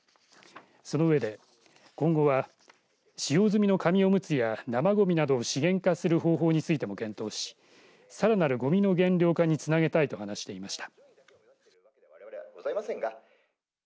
そのうえで今後は使用済みの紙おむつや生ごみなどを資源化する方法についても検討しさらなるごみの減量化につなげたいと話していました。